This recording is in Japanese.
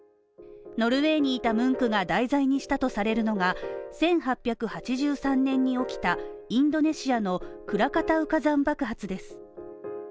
ノルウェーにいたムンクが題材にしたとされるのが１８８３年に起きたインドネシアのクラカタウ火山爆発です。